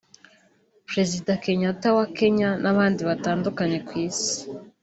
Perezida Kenyatta wa Kenya n’abandi batandukanye ku Isi